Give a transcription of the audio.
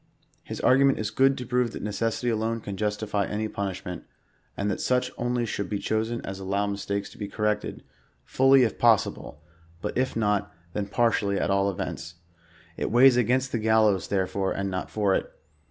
His argument is good to prove that necessity alone can justify any punishment, land that such only should be chosen as allow mistakes to be coi'rected, fully if possible, but if not, then par tially at all events. It weighs against the gallows, therefore, and not for it.